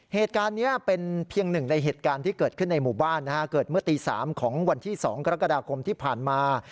เหตุการณ์นี้เป็นเพียงหนึ่งในเหตุการณ์ที่เกิดขึ้นในหมู่บ้านเกิดเมื่อตี๓ของวันที่๒กรกฎาคมที่ผ่านมา